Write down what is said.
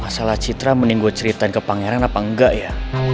masalah icitra mending gue ceritain ke pangeran apa enggak ya